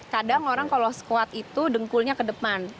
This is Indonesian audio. kadang orang kalau squad itu dengkulnya ke depan